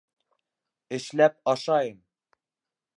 Эшләп ашайым!